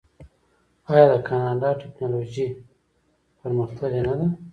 آیا د کاناډا ټیکنالوژي پرمختللې نه ده؟